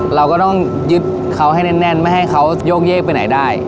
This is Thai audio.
เราก็ต้องยึดเขาให้แน่นไม่ให้เขาโยกเยกไปไหนได้